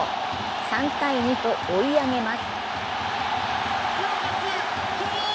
３−２と追い上げます。